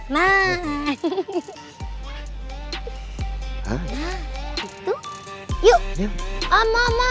nah gitu yuk om om om